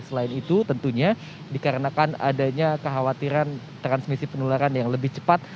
selain itu tentunya dikarenakan adanya kekhawatiran transmisi penularan yang lebih cepat